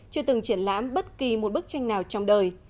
chưa từng triển lãm bất kỳ một bức tranh nào trong đời